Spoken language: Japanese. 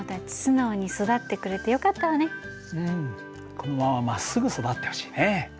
このまままっすぐ育ってほしいね。